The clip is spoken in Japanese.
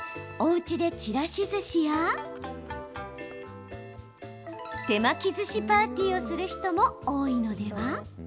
おうちで、ちらしずしや手巻きずしパーティーをする人も多いのでは？